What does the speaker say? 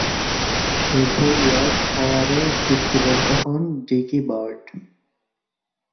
এরপর ইয়র্কশায়ারে চুক্তিবদ্ধ হন ডিকি বার্ড।